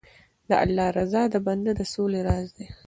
د الله رضا د بنده د سولې راز دی.